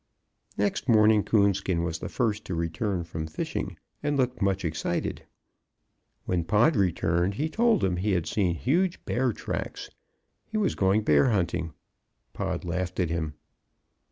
Next morning, Coonskin was the first to return from fishing, and looked much excited. When Pod returned he told him he had seen huge bear tracks; he was going bear hunting. Pod laughed at him.